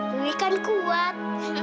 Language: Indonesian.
wuih kan kuat